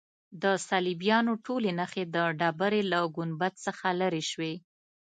د صلیبیانو ټولې نښې د ډبرې له ګنبد څخه لیرې شوې.